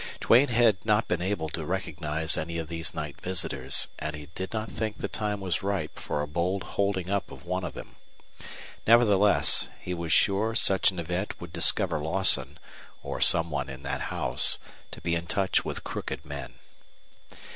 Duane had not been able to recognize any of these night visitors; and he did not think the time was ripe for a bold holding up of one of them. Nevertheless, he was sure such an event would discover Lawson, or some one in that house, to be in touch with crooked men.